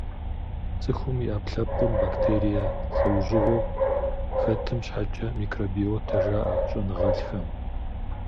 Цӏыхум и ӏэпкълъэпкъым бактерие лӏэужьыгъуэу хэтым щхьэкӏэ микробиотэ жаӏэ щӏэныгъэлӏхэм.